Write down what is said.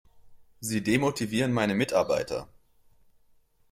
Sie demotivieren meine Mitarbeiter!